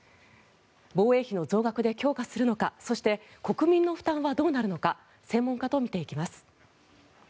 防衛費の増額で強化するのかそして国民の負担はどうなるのか専門家と見ていきます。